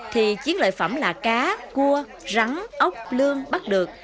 thì chiến loại phẩm là cá cua rắn ốc lương bắt được